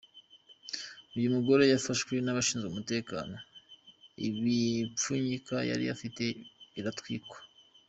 Uyu mugore yafashwe n’abashinzwe umutekano, ibipfunyika yari afite biratwikwa.